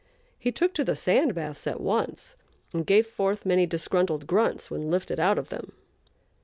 He took to the sand baths at once, and gave forth many disgruntled grunts when lifted out of them.